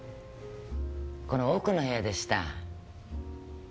この奥の部屋でした。